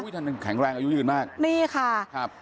ท่านแข็งแรงอายุยืนมาก